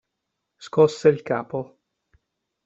Scosse il capo.